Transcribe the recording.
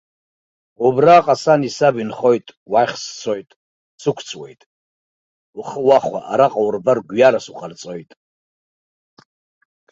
Убраҟа сани саби нхоит, уахь сцоит, сықәҵуеит, ухы уахәа, араҟа урбар, гәҩарас уҟарҵоит.